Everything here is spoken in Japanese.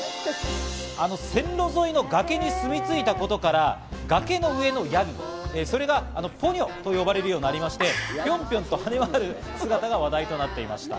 線路沿いの崖に住み着いたことから、崖の上のヤギ、それがポニョと呼ばれるようになりましてピョンピョンと跳ね回る姿が話題となっていました。